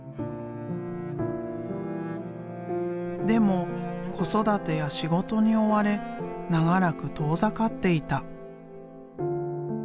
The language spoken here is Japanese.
でも子育てや仕事に追われ長らく遠ざかっていた。